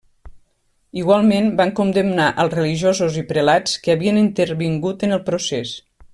Igualment, van condemnar els religiosos i prelats que havien intervingut en el procés.